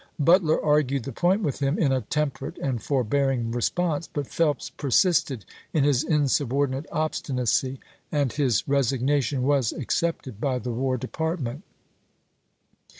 Butler argued the p.' 535. " point with him in a temperate and forbearing re sponse, but Phelps persisted in his insubordinate obstinacy, and his resignation was accepted by the War Department.